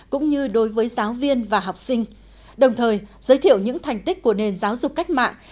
cũng như đối với giáo viên và học sinh đồng thời giới thiệu những thành tích của nền giáo dục cách mạng